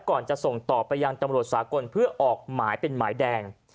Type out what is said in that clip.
ก่อนจะส่งต่อไปยังตำรวจสากลเพื่อออกหมายเป็นหมายแดง